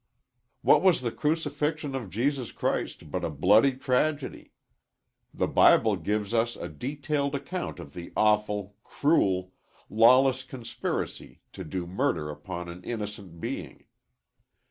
What was the crucifixion of Jesus Christ but a bloody tragedy. The Bible gives us a detailed account of the awful, cruel, lawless conspiracy to do murder upon an innocent being.